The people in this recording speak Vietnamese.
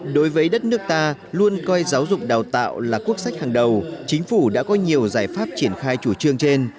đối với đất nước ta luôn coi giáo dục đào tạo là quốc sách hàng đầu chính phủ đã có nhiều giải pháp triển khai chủ trương trên